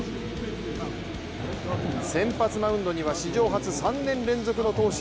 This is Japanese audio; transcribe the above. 先発マウンドには史上初、３年連続の投手